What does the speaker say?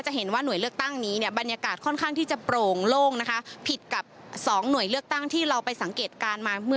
จะเห็นว่าหน่วยเลือกตั้งนี้เนี่ยบรรยากาศค่อนข้างที่จะโปร่งโล่งนะคะ